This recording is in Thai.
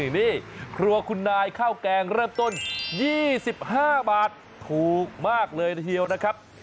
นี่ครัวคุณนายข้าวแกงเริ่มต้น๒๕บาทถูกมากเลยทีเดียวนะครับ